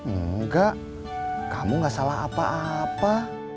enggak kamu gak salah apa apa